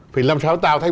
phải làm sao tạo thành